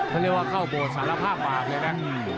เกือบเป็นมาโปสสารภาพตัวบ้านเลยน่ะ